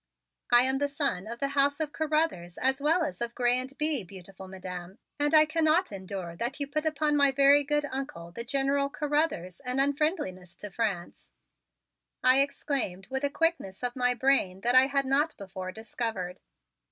"I am the son of the house of Carruthers as well as of Grez and Bye, beautiful Madam, and I cannot endure that you put upon my very good Uncle, the General Carruthers, an unfriendliness to France," I exclaimed with a quickness of my brain that I had not before discovered.